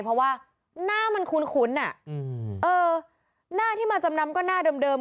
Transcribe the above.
เพราะว่าหน้ามันคุ้นอ่ะเออหน้าที่มาจำนำก็หน้าเดิม